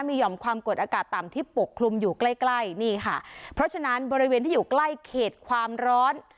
มีห่อมความกดอากาศต่ำที่ปกคลุมอยู่ใกล้ใกล้นี่ค่ะเพราะฉะนั้นบริเวณที่อยู่ใกล้เขตความร้อน